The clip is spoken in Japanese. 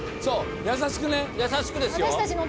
優しくね、優しくですよ。